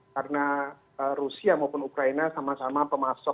karena rusia maupun ukraina sama sama pemasok